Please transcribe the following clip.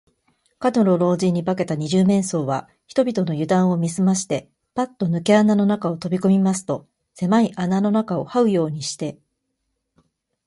門野老人に化けた二十面相は、人々のゆだんを見すまして、パッとぬけ穴の中にとびこみますと、せまい穴の中をはうようにして、